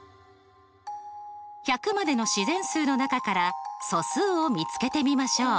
１００までの自然数の中から素数を見つけてみましょう。